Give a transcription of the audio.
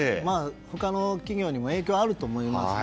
他の企業にも影響があると思いますね。